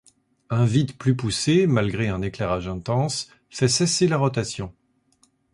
Un vide plus poussé, malgré un éclairage intense, fait cesser la rotation.